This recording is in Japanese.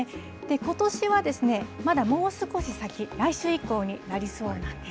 ことしはですね、まだもう少し先、来週以降になりそうなんです。